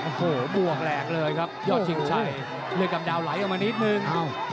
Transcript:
โอ้โหบวกแหลกเลยครับยอดชิงชัยเลือดกำดาวไหลออกมานิดนึง